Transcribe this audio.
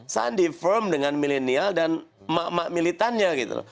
sandi firm dengan milenial dan mak mak militannya gitu